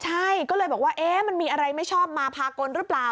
ใช่ก็เลยบอกว่ามันมีอะไรไม่ชอบมาพากลหรือเปล่า